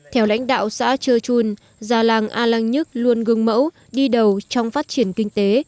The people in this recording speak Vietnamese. theo lãnh đạo xã chơ chun già làng a lăng nhất luôn gương mẫu đi đầu trong phát triển kinh tế